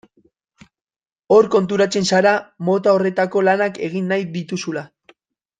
Hor konturatzen zara mota horretako lanak egin nahi dituzula.